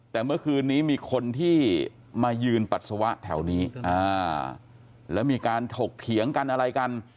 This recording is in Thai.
แต่เมื่อคืนนี้มีคนที่มายืนปัสสาวะแถวนี้แล้วมีการถกเถียงกันอะไรกัน